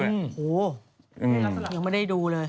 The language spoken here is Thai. โอ้โหยังไม่ได้ดูเลย